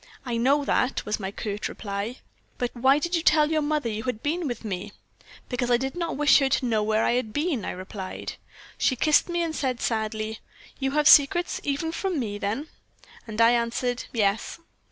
"'I know that,' was my curt reply. "'Then why did you tell your mother you had been with me?' "'Because I did not wish her to know where I had been,' I replied. "She kissed me, and said, sadly: "'You have secrets even from me, then?' "And I answered: "'Yes.'